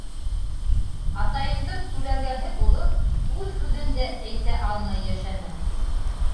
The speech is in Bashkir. Атайымдың күләгәһе булып, үҙ һүҙен дә әйтә алмай йәшәне.